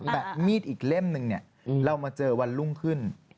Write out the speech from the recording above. มีดอีกเล่มนึงเนี่ยเรามาเจอวันรุ่งขึ้น